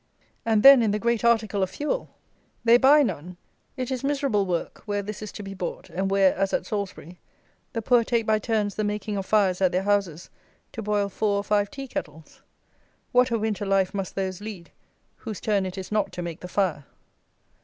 And then in the great article of fuel! They buy none. It is miserable work, where this is to be bought, and where, as at Salisbury, the poor take by turns the making of fires at their houses to boil four or five tea kettles. What a winter life must those lead, whose turn it is not to make the fire!